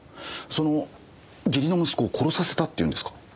その義理の息子を殺させたっていうんですか？